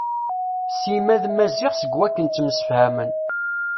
Sima d Maziɣ seg wakken ttemsefhamen.